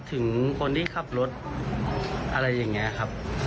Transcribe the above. ถึงคนที่ขับรถอะไรอย่างนี้ครับ